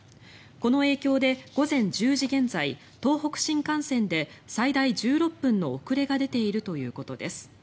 この影響で午前１０時現在東北新幹線で最大１６分の遅れが出ているということです。